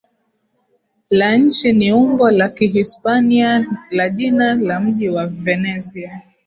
la nchi ni umbo la Kihispania la jina la mji wa Venezia